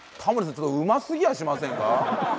ちょっとうますぎやしませんか？